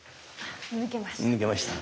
抜けました。